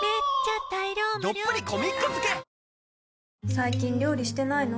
最近料理してないの？